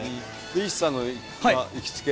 ＩＳＳＡの行きつけ。